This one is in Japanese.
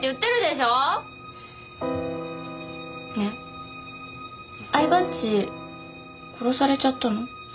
ねえ饗庭っち殺されちゃったの？